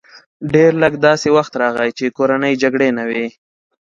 ډېر لږ داسې وخت راغی چې کورنۍ جګړې نه وې